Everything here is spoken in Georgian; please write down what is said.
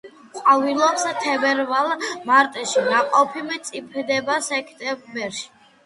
ყვავილობს თებერვალ-მარტში, ნაყოფი მწიფდება სექტემბერში.